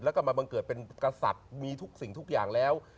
แล้วก็มาบังเกิดเป็นกษัตริย์มีทุกสิ่งทุกอย่างแล้ว